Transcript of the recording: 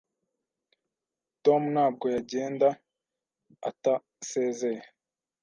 Tom ntabwo yagenda atasezeye.